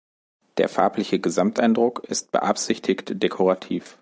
Der farbliche Gesamteindruck ist beabsichtigt dekorativ.